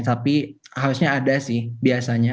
tapi harusnya ada sih biasanya